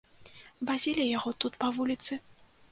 Вазілі яго тут па вуліцы.